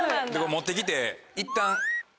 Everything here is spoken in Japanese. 持って来ていったん。